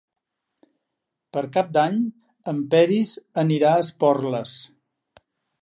Per Cap d'Any en Peris anirà a Esporles.